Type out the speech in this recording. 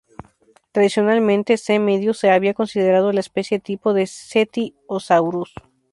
Tradicionalmente, "C. medius" se había considerado la especie tipo de "Cetiosaurus".